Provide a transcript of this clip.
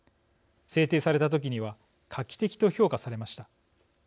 制定された時には画期的と評価されました。